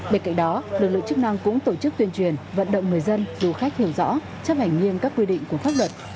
bên cạnh đó lực lượng chức năng cũng tổ chức tuyên truyền vận động người dân du khách hiểu rõ chấp hành nghiêm các quy định của pháp luật